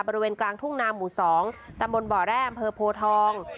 บริเวณกลางทุ่งนามหมู่๒ตำบลบ่อแร่อำเภอโพทอง